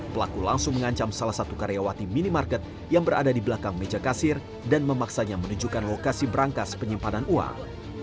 pelaku langsung mengancam salah satu karyawati minimarket yang berada di belakang meja kasir dan memaksanya menunjukkan lokasi berangkas penyimpanan uang